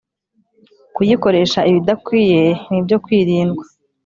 kuyikoresha ibidakwiye ni ibyo kwirindwa